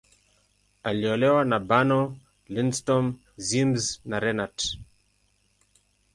Aliolewa na Bernow, Lindström, Ziems, na Renat.